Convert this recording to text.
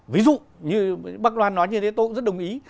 ví dụ như bác loan nói như thế tôi cũng rất đồng ý